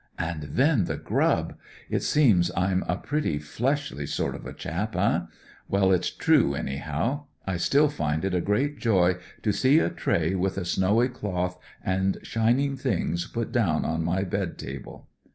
And then the grub. It seems I'm a pretty fleshly sort of a chap, eh ? Well, it's true, anyhow ; I still Und it a great joy to see a tray with a snowy cloth and shining things put down on my bed table.